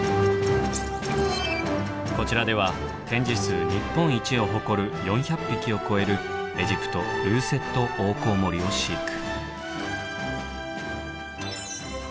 こちらでは展示数日本一を誇る４００匹を超えるエジプトルーセットオオコウモリを飼育。